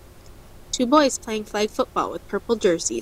Two boys playing flag football with purple jerseys.